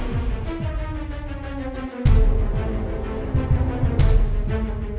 tentang anti jessy sama yang dirumah